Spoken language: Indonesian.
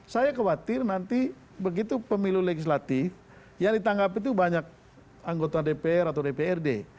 saya khawatir nanti begitu pemilu legislatif yang ditanggapi itu banyak anggota dpr atau dprd